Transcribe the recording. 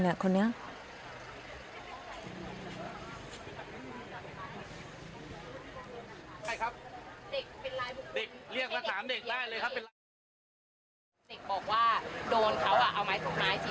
ฮเข้ามาเรียกว่ามันเป็ดเรื่องะมันเป็นอะไรเด็กเป็นไรแต่